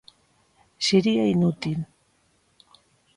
Sería inútil.